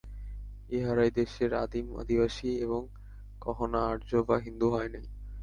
ইহারাই দেশের আদিম অধিবাসী এবং কখনও আর্য বা হিন্দু হয় নাই।